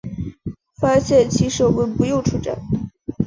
发现其实我们不用出站